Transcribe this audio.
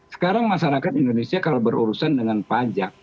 sekarang masyarakat indonesia kalau berurusan dengan pajak